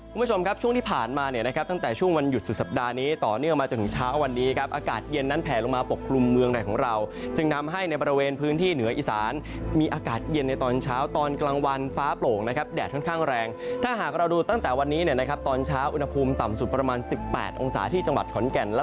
คุณผู้ชมครับช่วงที่ผ่านมาเนี่ยนะครับตั้งแต่ช่วงวันหยุดสุดสัปดาห์นี้ต่อเนื่องมาจนถึงเช้าวันนี้ครับอากาศเย็นนั้นแผลลงมาปกคลุมเมืองในของเราจึงนำให้ในบริเวณพื้นที่เหนืออีสานมีอากาศเย็นในตอนเช้าตอนกลางวันฟ้าโปร่งนะครับแดดค่อนข้างแรงถ้าหากเราดูตั้งแต่วันนี้เนี่ยนะครับตอนเช้าอุณหภูมิต่ำสุดประมาณสิบแปดองศาที่จังหวัดขอนแก่น